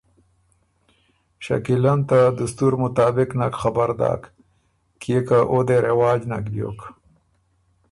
شکیلۀ ن ته دستور مطابق نک خبر داک، کيې او دې رواج نک بیوک۔